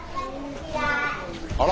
あら！